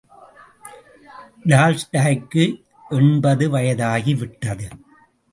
டால்ஸ்டாய்க்கு எண்பது வயதாகிவிட்டது.